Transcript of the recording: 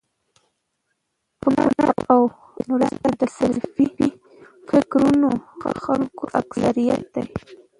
په کونړ او نورستان کي د سلفي فکر لرونکو خلکو اکثريت دی